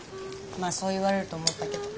まあそう言われると思ったけど。